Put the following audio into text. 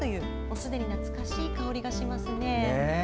すでに懐かしい香りがしますね。